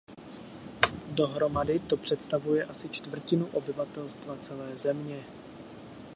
Dohromady to představuje asi čtvrtinu obyvatelstva celé země.